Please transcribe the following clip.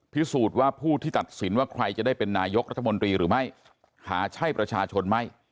พิสูจน์ว่าผู้ที่ตัดสินว่าใครจะได้เป็นนายกรัฐมนตรีหรือไม่หาใช่ประชาชนไม่